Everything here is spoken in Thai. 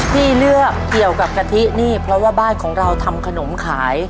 ที่เลือกเกี่ยวกับกะทินี่เพราะว่าบ้านของเราทำขนมขาย